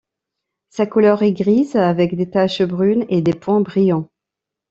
Sa couleur est grise avec des taches brunes et des points brillants.